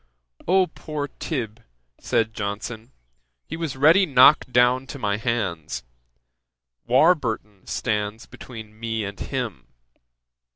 "O poor Tib.! (said Johnson) he was ready knocked down to my hands; Warburton stands between me and him."